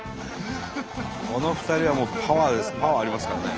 この２人はもうパワーありますからね。